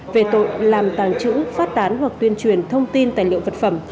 về tội làm tàng trữ phát tán hoặc tuyên truyền thông tin tài liệu vật phẩm